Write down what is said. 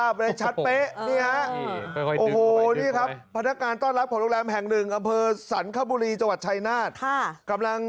มองกล้องเอาไปซ่อนใช่ไหม